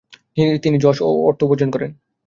তিনি যশ ও অর্থ উপার্জন করেন।